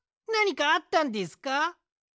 なにかあったんですか？